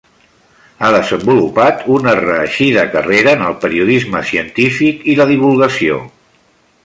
Ha desenvolupat una reeixida carrera en el periodisme científic i la divulgació.